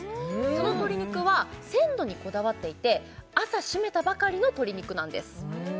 その鶏肉は鮮度にこだわっていて朝しめたばかりの鶏肉なんです